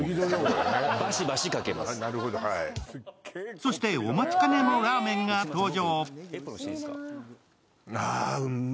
そしてお待ちかねのラーメンが登場。